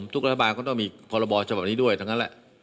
ทุกรัฐบาลก็ต้องมีพรบฉบับนี้ด้วยทั้งนั้นแหละ